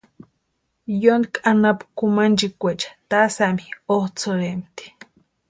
Yotki anapu kʼumanchikwaecha tasami otsʼïsïrempti.